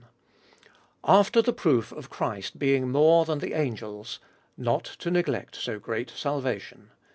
After the proof of Christ being more than the angels — Not to neglect so great salvation (ii.